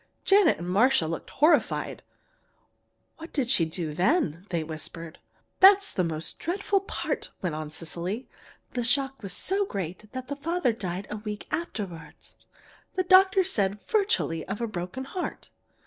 Janet and Marcia looked horrified. "What did she do then?" they whispered. "That's the most dreadful part," went on Cecily. "The shock was so great that the father died a week afterward the doctors said virtually of a broken heart.